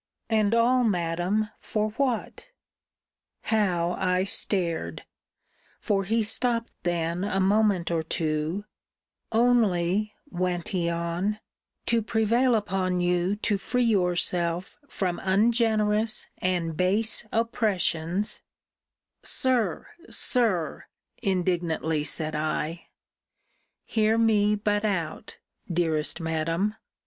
'And all, Madam, for what?' How I stared! for he stopt then a moment or two 'Only,' went he on, 'to prevail upon you to free yourself from ungenerous and base oppressions' Sir, Sir, indignantly said I 'Hear me but out, dearest Madam!